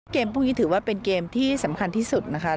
พรุ่งนี้ถือว่าเป็นเกมที่สำคัญที่สุดนะคะ